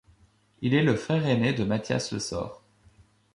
Il est le frère aîné de Mathias Lessort.